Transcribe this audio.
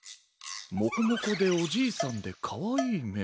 モコモコでおじいさんでかわいいめ？